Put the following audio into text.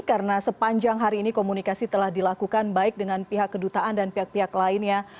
karena sepanjang hari ini komunikasi telah dilakukan baik dengan pihak kedutaan dan pihak pihak lainnya